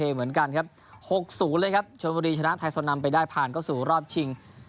เหมือนกันครับ๖๐เลยครับชนบุรีชนะไทยโซนำไปได้ผ่านเข้าสู่รอบชิง